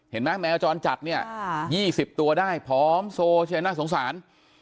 เห็นมั้ยแมวจรจัดเนี้ยอ่ายี่สิบตัวได้พร้อมโซใช่ไหมน่าสงสาร